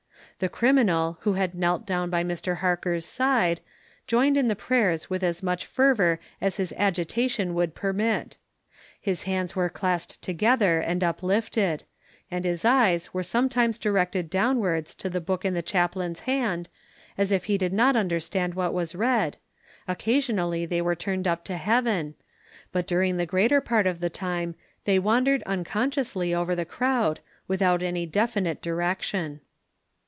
The criminal, who had knelt down by Mr Harker's side, joined in the prayers with as much fervour as his agitation would permit. His hands were clasped together and uplifted, and his eyes were sometimes directed downwards to the book in the chaplain's hand, as if he did not understand what was read; occasionally they were turned up to heaven, but during the greater part of the time they wandered unconsciously over the crowd without any definite direction.